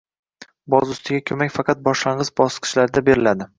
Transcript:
Boz ustiga, ko‘mak faqat boshlang‘ich bosqichlarda beriladi